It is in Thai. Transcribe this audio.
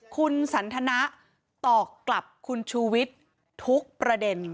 คุณสันทนะตอบกลับคุณชูวิทย์ทุกประเด็น